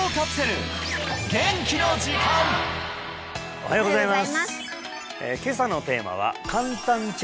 おはようございます